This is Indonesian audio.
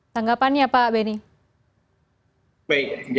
tanggapannya pak benny